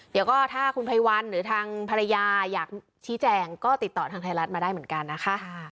เดี๋ยวก็ถ้าคุณไพรวัลหรือทางภรรยาอยากชี้แจงก็ติดต่อทางไทยรัฐมาได้เหมือนกันนะคะ